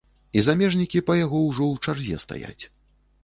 І замежнікі па яго ўжо ў чарзе стаяць.